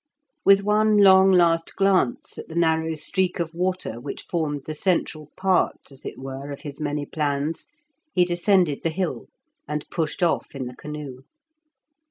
With one long last glance at the narrow streak of water which formed the central part, as it were, of his many plans, he descended the hill, and pushed off in the canoe.